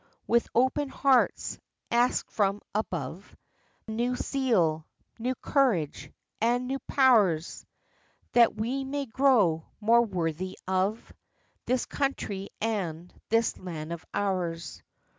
With open hearts ask from above New zeal, new courage and new pow'rs, That we may grow more worthy of This country and this land of ours.